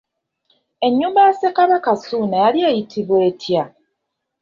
Ennyumba ya Ssekabaka Ssuuna yali eyitibwa etya?